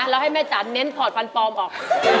แล้วให้แม่จ๋าเน้นถอดฟันปลอมออก